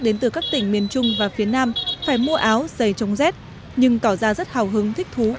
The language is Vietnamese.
đến từ các tỉnh miền trung và phía nam phải mua áo giày chống rét nhưng tỏ ra rất hào hứng thích thú